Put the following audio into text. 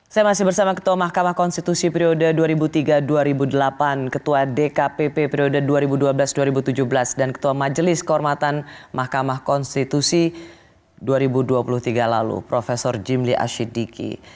saya masih bersama ketua mahkamah konstitusi periode dua ribu tiga dua ribu delapan ketua dkpp periode dua ribu dua belas dua ribu tujuh belas dan ketua majelis kehormatan mahkamah konstitusi dua ribu dua puluh tiga lalu prof jimli asyiddiki